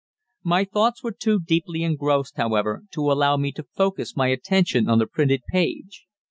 My thoughts were too deeply engrossed, however, to allow me to focus my attention on the printed page.